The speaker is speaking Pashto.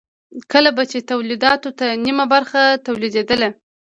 کله به چې د تولیداتو نیمه برخه تولیدېدله